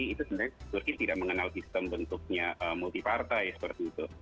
itu sebenarnya turki tidak mengenal sistem bentuknya multi partai seperti itu